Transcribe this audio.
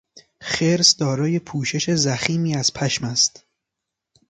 خرس دارای پوشش ضخیمی از پشم است.